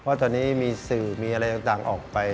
เพราะตอนนี้มีสื่อมีอะไรต่างออกไป